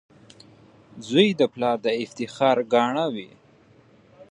• زوی د پلار د افتخار ګاڼه وي.